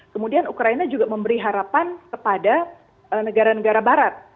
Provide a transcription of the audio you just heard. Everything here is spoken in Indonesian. kemudian ukraina juga memberi harapan kepada negara negara barat